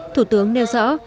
thủ tướng nêu rõ